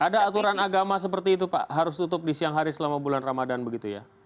ada aturan agama seperti itu pak harus tutup di siang hari selama bulan ramadan begitu ya